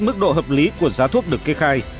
mức độ hợp lý của giá thuốc được kê khai